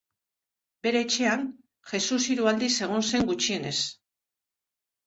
Bere etxean, Jesus hiru aldiz egon zen gutxienez.